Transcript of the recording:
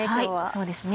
そうですね。